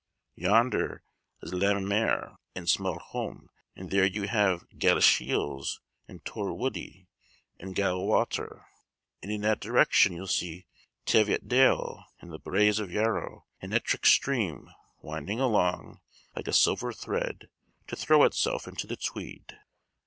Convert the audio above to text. Yonder is Lammermuir, and Smalholme; and there you have Gallashiels, and Torwoodlie, and Gallawater; and in that direction you see Teviotdale, and the Braes of Yarrow; and Ettrick stream, winding along, like a silver thread, to throw itself into the Tweed."